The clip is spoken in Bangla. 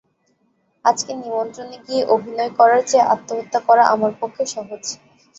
আজকের নিমন্ত্রণে গিয়ে অভিনয় করার চেয়ে আত্মহত্যা করা আমার পক্ষে সহজ।